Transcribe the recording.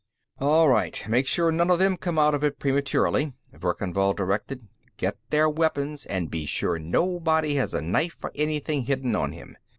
"All right, make sure none of them come out of it prematurely," Verkan Vall directed. "Get their weapons, and be sure nobody has a knife or anything hidden on him.